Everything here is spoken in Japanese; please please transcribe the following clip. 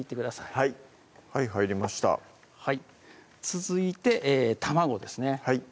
はい入りました続いて卵ですねはい